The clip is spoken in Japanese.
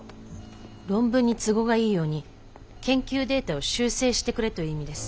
論文に都合がいいように研究データを修正してくれという意味です。